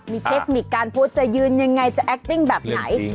มีเทคนิคการโพสต์จะยืนยังไงจะแอคติ้งแบบไหน